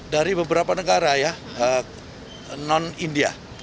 dari beberapa negara ya non india